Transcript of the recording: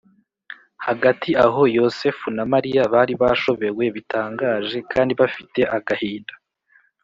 Hagati aho Yosefu na Mariya bari bashobewe bitangaje kandi bafite agahinda